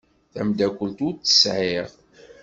Tamdakelt ur tt-sεiɣ.